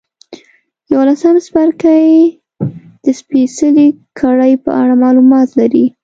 یوولسم څپرکی د سپېڅلې کړۍ په اړه معلومات لري.